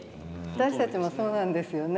私たちもそうなんですよね。